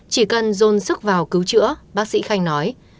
chỉ cần dồn sức vào cứu chữa bác sĩ khanh nói